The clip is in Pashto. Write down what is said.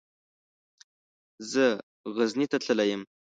زه غزني ته تللی يم.